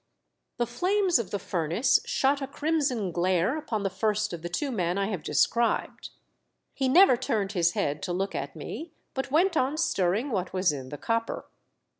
The flames of the furnace shot a crimson glare upon the first of the two men I have described ; he never turned his head to look at me, but went on stirring what was in the copper.